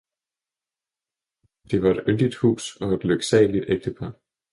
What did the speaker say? Det var et yndigt hus og et lyksaligt ægtepar.